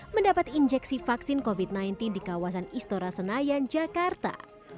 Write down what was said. mendapat injeksi vaksin covid sembilan belas di kawasan istora senayan jakarta